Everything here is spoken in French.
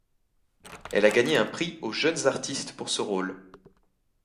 Elle a gagné un prix aux jeunes artistes pour ce rôle.